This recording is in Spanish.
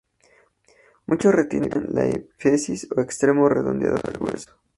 Muchos retienen la epífisis o extremo redondeado del hueso.